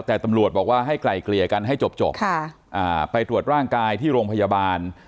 แต่ตำรวจบอกว่าให้ไกลเกลี่ยกันให้จบไปตรวจร่างกายที่โรงพยาบาล